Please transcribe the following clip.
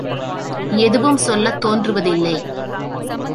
எதுவும் சொல்லத் தோன்றுவதில்லை.